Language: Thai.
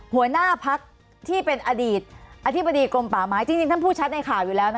หัวหน้าพักที่เป็นอดีตอธิบดีกรมป่าไม้จริงท่านพูดชัดในข่าวอยู่แล้วนะคะ